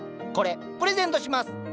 これプレゼントします。